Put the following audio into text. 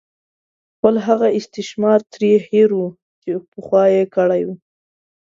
خپل هغه استثمار ترې هېر وو چې پخوا یې کړې وه.